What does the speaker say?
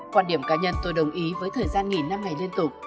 quan điểm cá nhân tôi đồng ý với thời gian nghỉ năm ngày liên tục